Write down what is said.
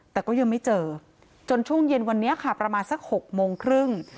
แต่ก็ยังไม่เจอจนช่วงเย็นวันนี้ค่ะประมาณสัก๖โมงครึ่ง